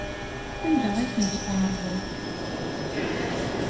Anda ay tent-tɛerḍeḍ?